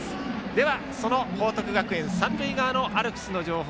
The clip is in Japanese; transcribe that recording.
では、報徳学園三塁側のアルプスの情報